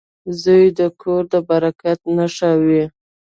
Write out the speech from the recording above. • زوی د کور د برکت نښه وي.